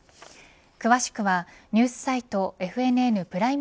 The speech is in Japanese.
詳しくはニュースサイトＦＮＮプライム